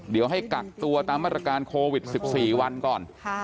เดี๋ยวให้กักตัวตามมาตรการโควิด๑๙วันก่อน